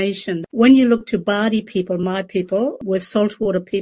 ketika anda melihat orang orang bardi orang orang saya orang orang yang berasal dari salt water